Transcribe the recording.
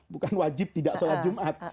bukan wajib tidak sholat jumat